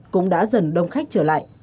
cũng đã dần đông khách trở lại